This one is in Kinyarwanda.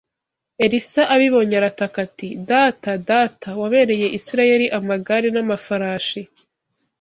Elisa abibonye arataka ati: “Data, data, wabereye Isirayeli amagare n’amafarashi!